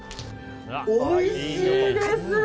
おいしいです。